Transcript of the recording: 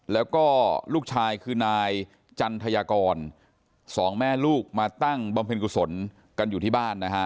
แล้วก็ลูกชายคือนายจันทยากรสองแม่ลูกมาตั้งบำเพ็ญกุศลกันอยู่ที่บ้านนะฮะ